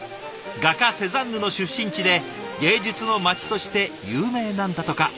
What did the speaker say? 画家セザンヌの出身地で芸術の街として有名なんだとか。